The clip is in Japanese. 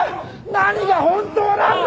何が本当なんだ！？